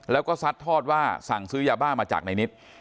แล้วก็ซัดทอดว่าสั่งซื้อยาบ้ามาจากในนิด